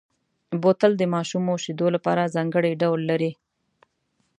بوتل د ماشومو شیدو لپاره ځانګړی ډول لري.